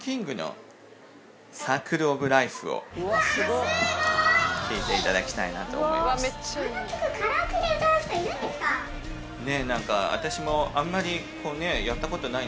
うわすごい聴いていただきたいなと思いますんですけど